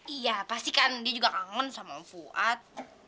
iya pasti kan dia juga kangen sama fuad